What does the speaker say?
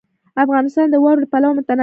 افغانستان د واوره له پلوه متنوع دی.